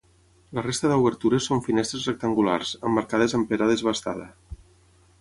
La resta d'obertures són finestres rectangulars, emmarcades amb pedra desbastada.